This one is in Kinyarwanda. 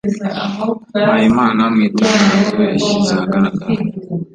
Mpayimana mu itangazo yashyize ahagaragara